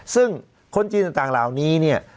ซึ่งคนจีนต่างลาวนี้